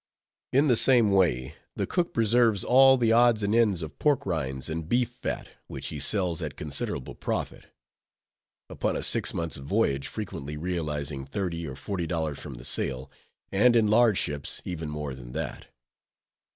In the same way, the cook preserves all the odds and ends of pork rinds and beef fat, which he sells at considerable profit; upon a six months' voyage frequently realizing thirty or forty dollars from the sale, and in large ships, even more than that.